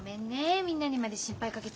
みんなにまで心配かけちゃって。